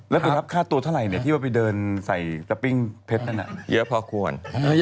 แล้วก็ครับค่าตัวเท่าไหร่เนี่ยที่เราไปเดินใส่ซัปปิ้งเพชรนั่นอะเยอะพอควร